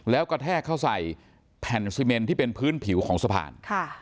แล้วกระแทกเข้าใส่แผ่นซีเมนที่เป็นพื้นผิวของสะพาน